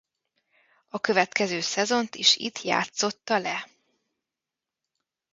A következő szezont is itt játszotta le.